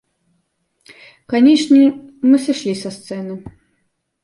Канечне, мы сышлі са сцэны.